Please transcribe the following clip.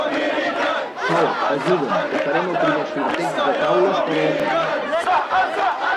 Sol, ajuda'm, que farem el primer sorteig de taules per a la tarda.